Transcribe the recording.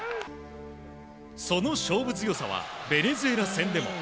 その勝負強さはベネズエラ戦でも。